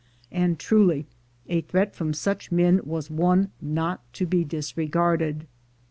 And truly a threat from such men was one not to be disre garded.